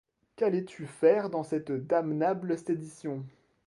Qu'allais-tu faire dans cette damnable sédition?